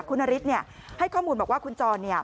คุณนฤทธิ์เนี่ยให้ข้อมูลบอกว่าคุณจรเนี่ย